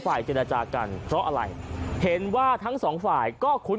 เจรจากันเพราะอะไรเห็นว่าทั้งสองฝ่ายก็คุ้น